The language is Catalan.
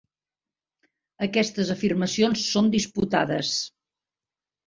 Aquestes afirmacions són disputades.